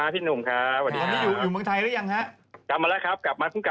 สวัสดีครับพี่ม้าพี่นุ่มค่ะ